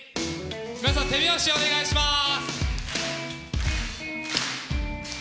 皆さん、手拍子お願いします。